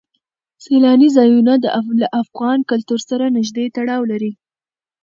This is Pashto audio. سیلاني ځایونه له افغان کلتور سره نږدې تړاو لري.